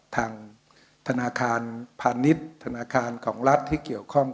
ทางธนาคารพาณิชย์ธนาคารของรัฐที่เกี่ยวข้อง